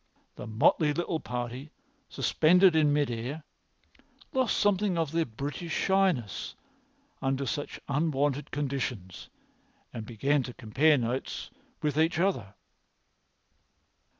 The motley little party, suspended in mid air, lost something of their British shyness under such unwonted conditions and began to compare notes with each other.